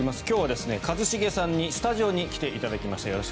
今日は一茂さんにスタジオに来ていただきました。